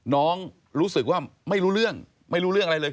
น้องรู้สึกว่าไม่รู้เรื่องไม่รู้เรื่องอะไรเลย